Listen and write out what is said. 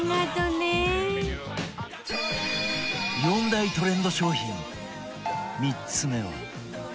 ４大トレンド商品３つ目は